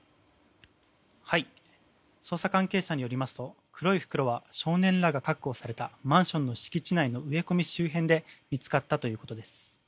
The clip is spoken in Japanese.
捜査関係者によりますと黒い袋は少年らが確保されたマンションの敷地内の植え込み周辺で見つかったということです。